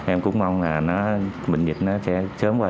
em cũng mong là bệnh dịch sẽ sớm qua